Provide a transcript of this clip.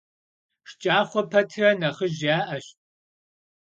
ШкӀахъуэ пэтрэ нэхъыжь яӀэщ.